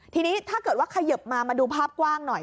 ทีนี้ถ้าเกิดว่าขยิบมามาดูภาพกว้างหน่อย